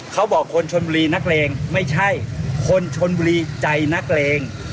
เขาบอกคนชนบุรีนักเลงไม่ใช่คนชนบุรีใจนักเลง